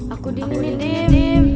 aku dingin dim